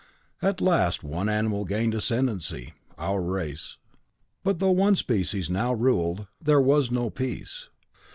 "At last one animal gained the ascendancy. Our race. But though one species now ruled, there was no peace.